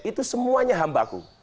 itu semuanya hambaku